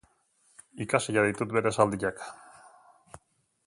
Ikasiak ditut bere esaldiak.